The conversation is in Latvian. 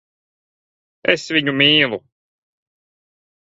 Es viņu mīlu.